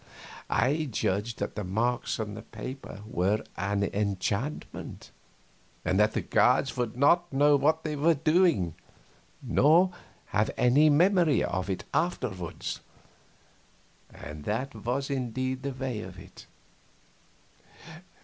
I judged that the marks on the paper were an enchantment, and that the guards would not know what they were doing, nor have any memory of it afterward; and that was indeed the way of it.